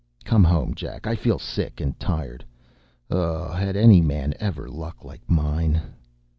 Come home, Jack; I feel sick and tired. Oh, had any man ever luck like mine!